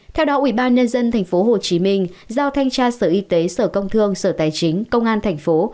theo đó ủy ban nhân dân tp hcm giao thanh tra sở y tế sở công thương sở tài chính công an thành phố